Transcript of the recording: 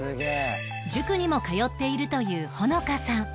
塾にも通っているという穂乃香さん